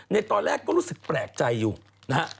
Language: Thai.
ในตอนแรกก็รู้สึกแปลกใจอยู่นะฮะ